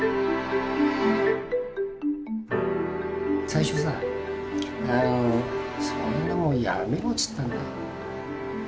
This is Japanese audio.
最初さ「そんなもんやめろ」っつったんだ。